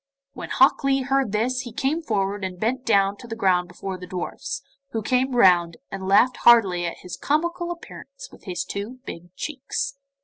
When Hok Lee heard this he came forward and bent down to the ground before the dwarfs, who came crowding round, and laughed heartily at his comical appearance with his two big cheeks.